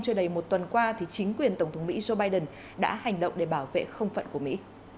chưa đầy một tuần qua chính quyền tổng thống mỹ joe biden đã hành động để bảo vệ không phận của mỹ